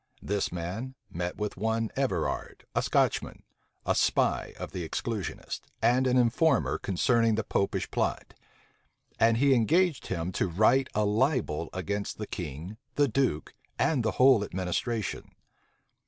This man met with one Everard, a Scotchman, a spy of the exclusionists, and an informer concerning the Popish plot; and he engaged him to write a libel against the king, the duke, and the whole administration.